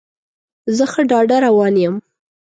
زه ښه ډاډه روان یم.